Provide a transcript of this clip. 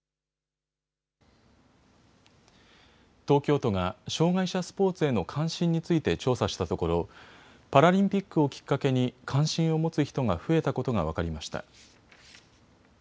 東京都が障害者スポーツへの関心について調査したところパラリンピックをきっかけに関心を持つ人が増えたことが分かりました。